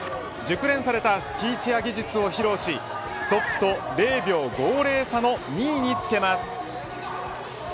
熟練されたスキーチェア技術を披露しトップと０秒５０差の２位につけます。